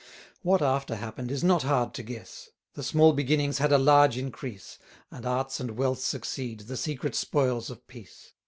What after happen'd is not hard to guess: The small beginnings had a large increase, And arts and wealth succeed, the secret spoils of peace.